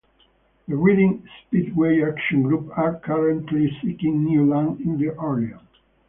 The Reading Speedway Action Group are currently seeking new Land in the area.